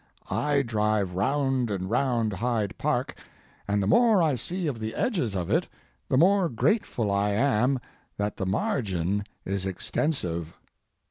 I drive round and round Hyde Park, and the more I see of the edges of it the more grateful I am that the margin is extensive.